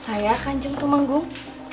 saya kanjeng tumenggung